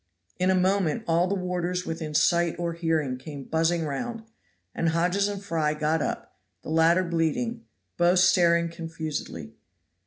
In a moment all the warders within sight or hearing came buzzing round, and Hodges and Fry got up, the latter bleeding; both staring confusedly.